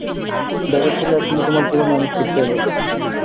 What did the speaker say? ভেবেছিলে এখানে তোমার জীবনে আমি ফিট হয়ে যাবো।